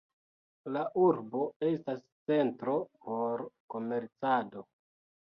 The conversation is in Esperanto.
La urbo estas centro por komercado.